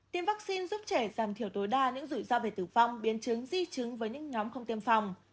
tiêm vaccine giúp trẻ giảm thiểu tối đa những rủi ro về tử vong biến chứng di chứng với những nhóm không tiêm phòng